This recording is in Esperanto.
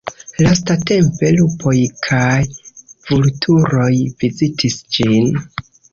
Lastatempe, lupoj kaj vulturoj vizitis ĝin.